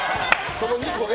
その２個ね。